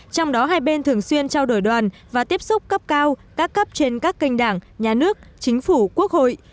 trong đó hai bên thường xuyên trao đổi đoàn và tiếp xúc cấp cao các cấp trên các kênh đảng nhà nước chính phủ quốc hội